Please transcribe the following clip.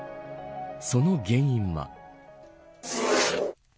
その原因は。